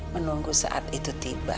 menunggu saat itu tiba